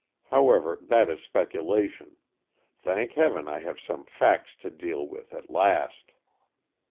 However, that is speculation. Thank heaven I have some facts to deal with, at last."